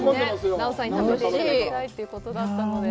奈緒さんに食べていただきたいということだったので。